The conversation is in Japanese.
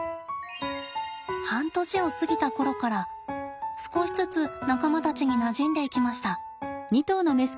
半年を過ぎた頃から少しずつ仲間たちになじんでいきました。